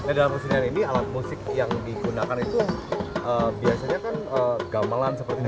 nah dalam musik yang digunakan itu biasanya kan gamelan seperti ini